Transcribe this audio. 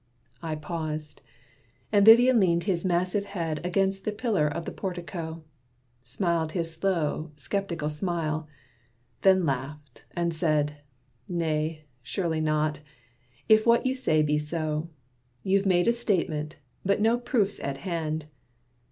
I paused: and Vivian leaned his massive head Against the pillar of the portico, Smiled his slow, skeptic smile, then laughed, and said: "Nay, surely not if what you say be so. You've made a statement, but no proof's at hand.